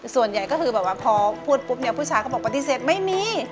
ส่วนใหญ่ก็คือแบบว่าพอพูดปุ๊บเนี่ยผู้ชายก็บอกปฏิเสธไม่มี